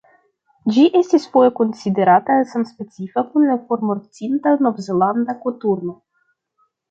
Ĝi estis foje konsiderata samspecifa kun la formortinta Novzelanda koturno.